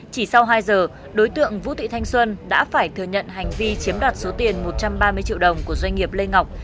chỉ sau hai giờ đối tượng vũ thị thanh xuân đã phải thừa nhận hành vi chiếm đoạt số tiền một trăm ba mươi triệu đồng của doanh nghiệp lê ngọc